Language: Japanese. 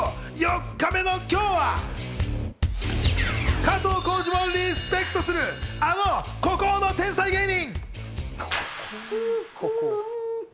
４日目の今日は、加藤浩次もリスペクトする、あの孤高の天才芸人！